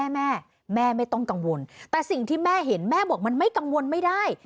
แม่แม่ไม่ต้องกังวลแต่สิ่งที่แม่เห็นแม่บอกมันไม่กังวลไม่ได้